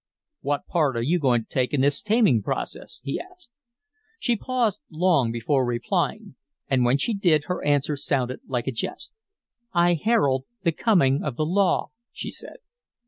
"What part are you going to take in this taming process?" he asked. She paused long before replying, and when she did her answer sounded like a jest. "I herald the coming of the law," she said.